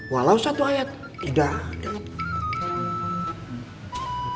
walau satu ayat tidak